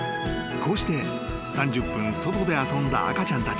［こうして３０分外で遊んだ赤ちゃんたち］